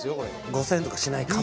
５，０００円とかしないかも。